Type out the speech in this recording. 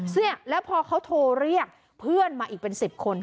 เนี่ยแล้วพอเขาโทรเรียกเพื่อนมาอีกเป็น๑๐คน